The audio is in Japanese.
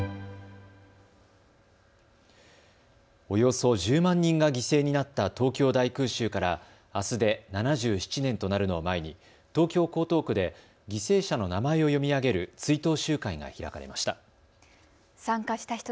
およそ１０万人が犠牲になった東京大空襲からあすで７７年となるのを前に東京江東区で犠牲者の名前を読み上げる追悼集会が開かれました。